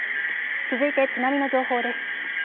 続いて津波の情報です。